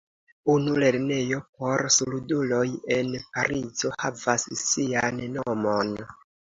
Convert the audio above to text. Unu lernejo por surduloj en Parizo havas sian nomon.